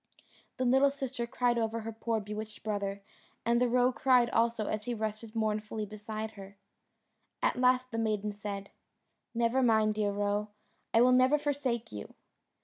The little sister cried over her poor bewitched brother, and the roe cried also as he rested mournfully beside her. At last the maiden said, "Never mind, dear Roe, I will never forsake you."